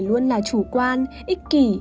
luôn là chủ quan ích kỷ